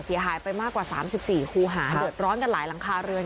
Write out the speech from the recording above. เสียหายไปมากกว่า๓๔คูหาเดือดร้อนกันหลายหลังคาเรือน